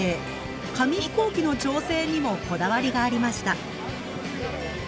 紙飛行機の調整にもこだわりがありました。